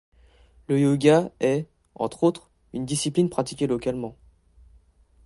Le yoga est, entre autres, une discipline pratiquée localement.